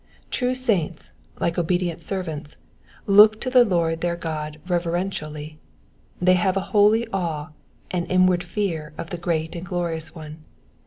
True saints, like obedient servants, look to the Lord their God reverentially : they have a holy awe and inward fear of the great and glorious One.